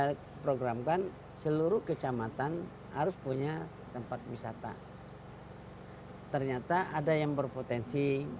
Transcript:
hai programkan seluruh kecamatan harus punya tempat wisata ternyata ada yang berpotensi